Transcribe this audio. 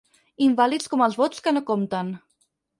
Invàlids com els vots que no compten.